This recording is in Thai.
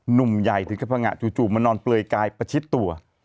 หนุ่มใหญ่ถึงกับพังงะจู่มานอนเปลือยกายประชิดตัว